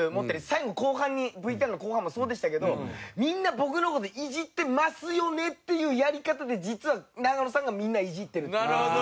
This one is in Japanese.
最後後半にＶＴＲの後半もそうでしたけどみんな僕の事いじってますよねっていうやり方で実は永野さんがみんなをいじってるっていう。